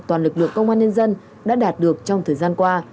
toàn lực lượng công an nhân dân đã đạt được trong thời gian qua